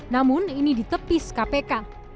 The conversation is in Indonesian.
namun ini ditepis kpk